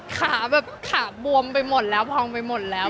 ขาแบบขาบวมไปหมดแล้วพองไปหมดแล้ว